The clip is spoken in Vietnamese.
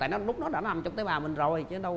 tại lúc đó nó đã nằm trong tế bào mình rồi